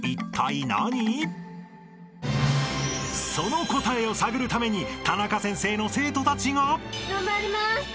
［その答えを探るためにタナカ先生の生徒たちが］